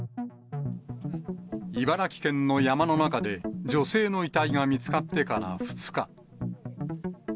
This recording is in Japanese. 茨城県の山の中で、女性の遺体が見つかってから２日。